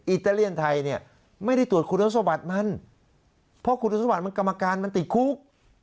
อิตาเลียนไทยเนี่ยไม่ได้ตรวจคุณสมบัติมันเพราะคุณสมบัติมันกรรมการมันติดคุก